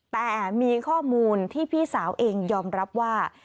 แต่มีข้อมูลที่พี่สาวเองยอมรับว่า